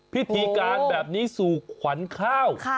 พิธีการแบบนี้สู่ขวัญข้าว